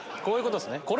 こういうことっすね